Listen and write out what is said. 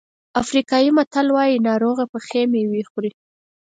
افریقایي متل وایي ناروغه پخې مېوې خوري.